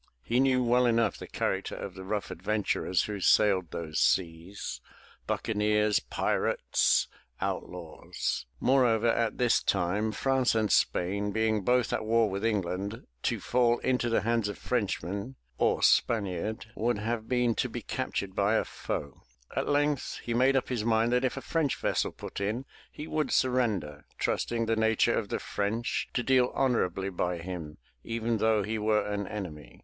He knew well enough the character of the rough adventurers who sailed those seas, — ^buccaneers, pirates, 340 THE TREASURE CHEST outlaws. Moreover at this time, France and Spain being both at war with England, to fall into the hands of Frenchman or Spaniard would have been to be captured by a foe. At length he made up his mind that if a French vessel put in he would surrender, trusting the nature of the French to deal honorably by him even though he were an enemy.